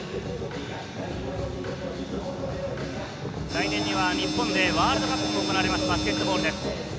来年には日本でワールドカップが行われるバスケットボールです。